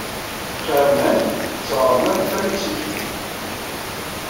Carmen d taɣermant tamiksikit.